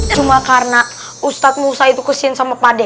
cuma karena ustadz musa itu kesien sama pade